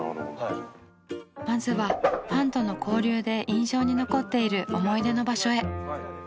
まずはファンとの交流で印象に残っている思い出の場所へ。